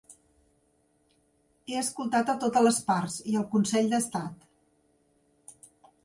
He escoltat a totes les parts i al consell d’estat.